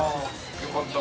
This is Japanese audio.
・よかった。